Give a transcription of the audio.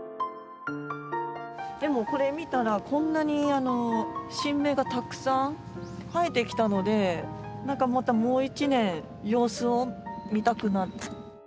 でもこれ見たらこんなに新芽がたくさん生えてきたので何かまたもう一年様子を見たくなった。